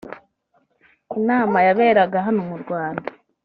Inama yaberaga hano mu Rwanda